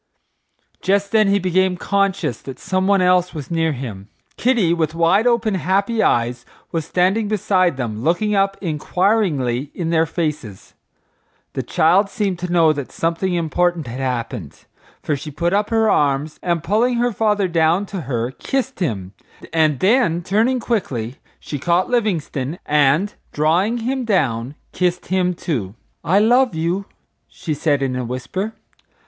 Just then he became conscious that someone else was near him. Kitty, with wide open, happy eyes, was standing beside them looking up inquiringly in their faces. The child seemed to know that something important had happened, for she put up her arms, and pulling her father down to her kissed him, and then turning quickly she caught Livingstone and, drawing him down, kissed him too. "I love you," she said, in a whisper.